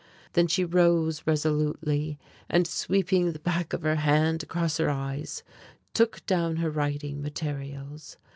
Then she rose resolutely and sweeping the back of her hand across her eyes, took down her writing materials.